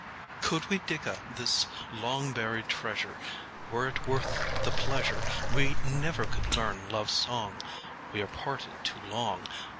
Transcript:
COULD we dig up this long buried treasure, Were it worth the pleasure, We never could learn loveâs song, We are parted too long.